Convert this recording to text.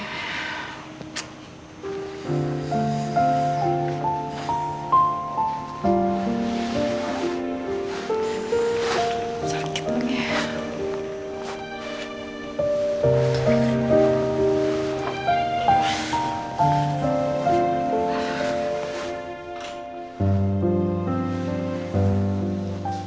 sakit banget ya